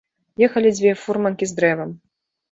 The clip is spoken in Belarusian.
Ехалі дзве фурманкі з дрэвам.